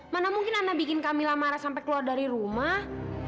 mana mungkin ana bikin kamila marah sampai keluar dari rumah